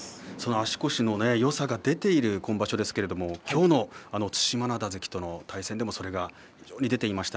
足腰のよさが出ている今場所ですけれど今日の對馬洋関との対戦でもそれが非常に出ていました。